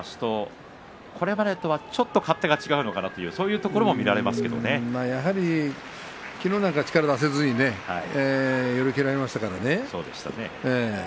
昨日、今日と見ていますとこれまでとは、ちょっと勝手が違うのかなというふうにもやはり昨日までの力を出せずに寄り切られましたからね。